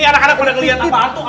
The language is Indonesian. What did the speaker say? ini anak anak pada ngelihat apaan tuh